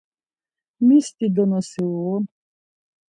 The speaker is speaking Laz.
Mis dido nosi uğun?